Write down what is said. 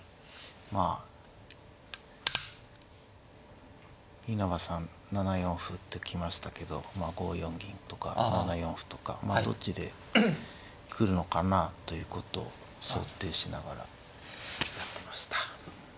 まあ稲葉さん７四歩ってきましたけど５四銀とか７四歩とかどっちで来るのかなということを想定しながらやってました。